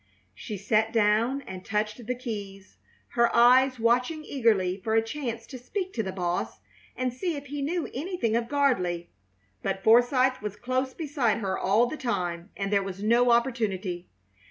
She sat down and touched the keys, her eyes watching eagerly for a chance to speak to the Boss and see if he knew anything of Gardley; but Forsythe was close beside her all the time, and there was no opportunity.